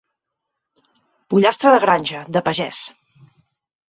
Pollastre de granja, de pagès.